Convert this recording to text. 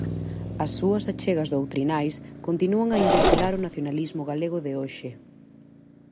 As súas achegas doutrinais continúan a interpelar o nacionalismo galego de hoxe.